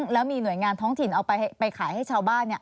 แล้วมีหน่วยงานท้องถิ่นเอาไปขายให้ชาวบ้าน